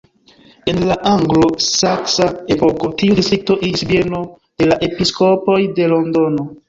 En la anglo-saksa epoko tiu distrikto iĝis bieno de la episkopoj de Londono.